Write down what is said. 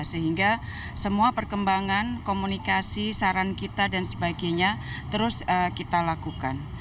sehingga semua perkembangan komunikasi saran kita dan sebagainya terus kita lakukan